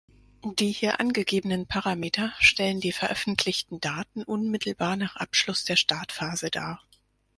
Die hier angegebenen Parameter stellen die veröffentlichten Daten unmittelbar nach Abschluss der Startphase dar.